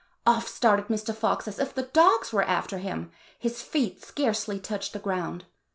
Off started Mr. Fox as if the dogs were after him. His feet scarcely touched the ground.